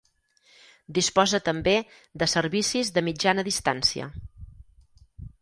Disposa també de servicis de mitjana distància.